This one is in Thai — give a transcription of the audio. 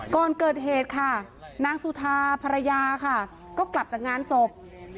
ก่อนเกิดเหตุค่ะนางสุธาภรรยาค่ะก็กลับจากงานศพ